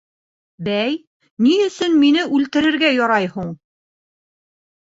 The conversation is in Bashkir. — Бәй, ни өсөн мине үлтерергә ярай һуң?